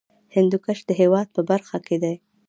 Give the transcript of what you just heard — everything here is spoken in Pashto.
هندوکش د هېواد په هره برخه کې دی.